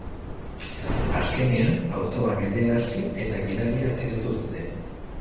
Azkenean autoa geldiarazi eta gidaria atxilotu dute.